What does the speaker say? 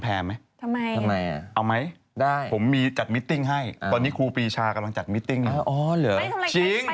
เขาอยากไปถึงไหนอย่างเงี้ย